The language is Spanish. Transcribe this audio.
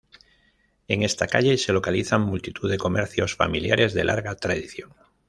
En esta calle se localizan multitud de comercios familiares de larga tradición.